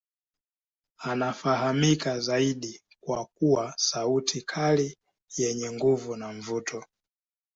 Anafahamika zaidi kwa kuwa sauti kali yenye nguvu na mvuto.